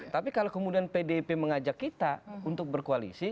tapi kalau kemudian pdip mengajak kita untuk berkoalisi